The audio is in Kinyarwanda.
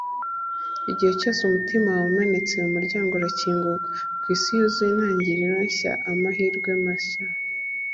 igihe cyose umutima wawe umenetse, umuryango urakinguka ku isi yuzuye intangiriro nshya, amahirwe mashya